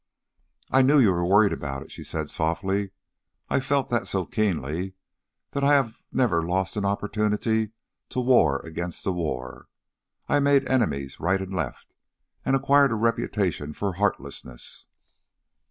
"I knew you were worried about it," she said softly. "I felt that so keenly that I never lost an opportunity to war against the war. I made enemies right and left, and acquired a reputation for heartlessness."